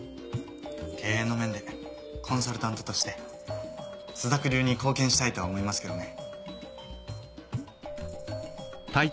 経営の面でコンサルタントとして朱雀流に貢献したいとは思いますけどね。